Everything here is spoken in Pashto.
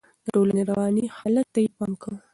د ټولنې رواني حالت ته يې پام و.